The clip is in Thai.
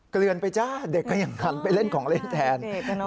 เกลือนไปจ้าเด็กก็ยังทันไปเล่นของเล่นแทน